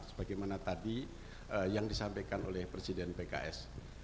sebagaimana tadi yang disampaikan oleh presiden pks